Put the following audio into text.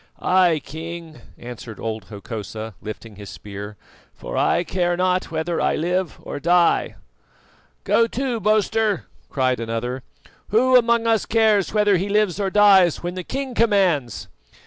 "I, King," answered old Hokosa, lifting his spear, "for I care not whether I live or die." "Go to, boaster!" cried another. "Who among us cares whether he lives or dies when the king commands?"